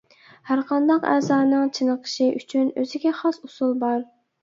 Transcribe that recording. ھەرقانداق ئەزانىڭ چېنىقىشى ئۈچۈن ئۆزىگە خاس ئۇسۇل بار.